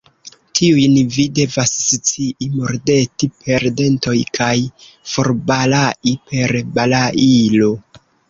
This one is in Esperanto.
Tiujn vi devas scii mordeti per dentoj kaj forbalai per balailo!